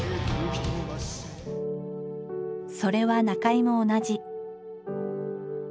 それは中井も同じ。